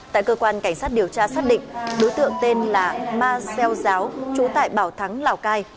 tại cơ quan cảnh sát điều tra xác định đối tượng tên là ma xeo giáo trú tại bảo thắng lào cai